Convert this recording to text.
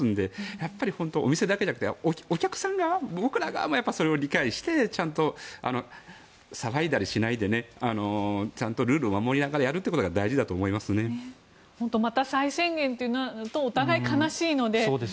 やっぱりお店だけではなくて僕ら側もそれを理解してちゃんと騒いだりしないでちゃんとルールを守りながらやるということがまた再宣言となるとお互い悲しいので。